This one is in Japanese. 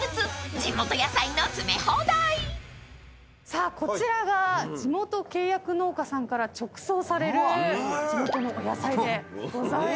さあこちらが地元契約農家さんから直送される地元のお野菜でございます。